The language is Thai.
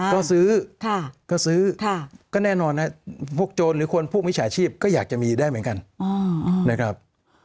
ก็ซื้อก็ซื้อก็แน่นอนนะพวกโจรหรือคนพวกมิจฉาชีพก็อยากจะมีได้เหมือนกันนะครับ